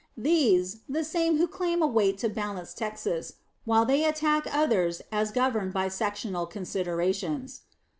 These, the same who claim a weight to balance Texas, while they attack others as governed by sectional considerations.